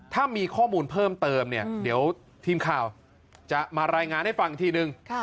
ถ้ามีข้อมูลเพิ่มเติมเนี่ยเดี๋ยวทีมข่าวจะมารายงานให้ฟังอีกทีนึง